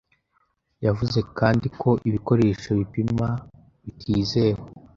yavuze kandi ko ibikoresho bipima bitizewe